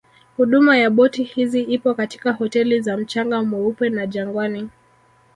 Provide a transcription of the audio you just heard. Huduma ya boti hizi ipo katika hoteli za mchanga mweupe na Jangwani